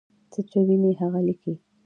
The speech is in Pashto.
څه چې ویني هغه لیکي.